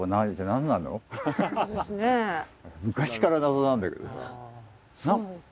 昔から謎なんだけどさ。